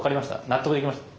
納得できました？